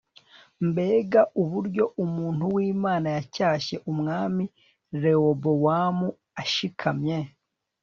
Mbega uburyo umuntu wImana yacyashye umwami Rewobowamu ashikamye